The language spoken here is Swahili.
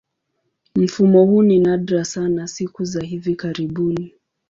Mfumo huu ni nadra sana siku za hivi karibuni.